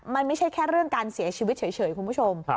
มันไม่ใช่แค่เรื่องการเสียชีวิตเฉยคุณผู้ชม